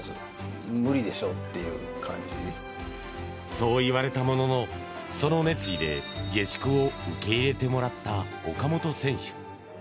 そう言われたもののその熱意で下宿を受け入れてもらった岡本選手。